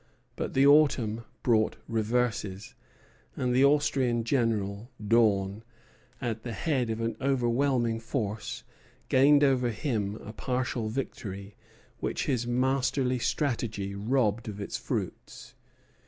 But the autumn brought reverses; and the Austrian general, Daun, at the head of an overwhelming force, gained over him a partial victory, which his masterly strategy robbed of its fruits.